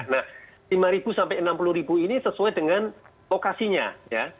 nah lima sampai enam puluh ini sesuai dengan lokasinya ya